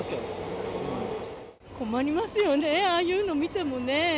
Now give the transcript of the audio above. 困りますよね、ああいうの見てもね。